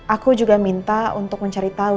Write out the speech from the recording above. aku juga minta untuk mencari tahu